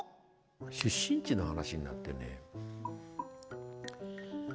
出身地の話になってね。